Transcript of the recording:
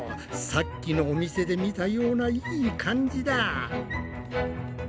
さっきのお店で見たようないい感じだ！